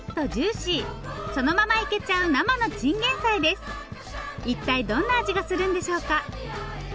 さあ１軒目は一体どんな味がするんでしょうか。